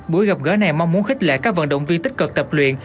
buổi gặp gỡ này mong muốn khích lệ các vận động viên tích cực tập luyện